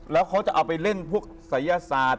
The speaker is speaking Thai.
แล้วเขาจะเอาไปเล่นพวกศัยศาสตร์